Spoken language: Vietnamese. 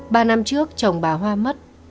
ba năm trước chồng bà hoa mất